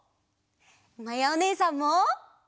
まやおねえさんも！